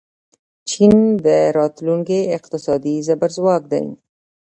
چین د راتلونکي اقتصادي زبرځواک دی.